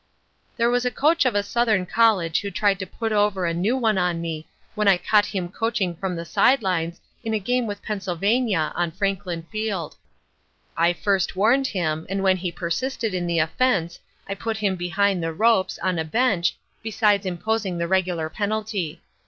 There was a coach of a Southern college who tried to put over a new one on me, when I caught him coaching from the side lines in a game with Pennsylvania on Franklin Field. I first warned him, and when he persisted in the offense, I put him behind the ropes, on a bench, besides imposing the regular penalty.